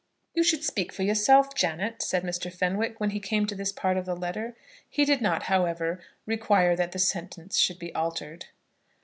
"You should speak for yourself, Janet," said Mr. Fenwick, when he came to this part of the letter. He did not, however, require that the sentence should be altered.